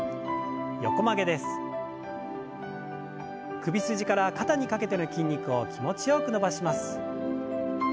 首筋から肩にかけての筋肉を気持ちよく伸ばします。